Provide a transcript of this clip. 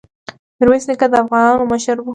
ميرويس نيکه د افغانانو مشر وو.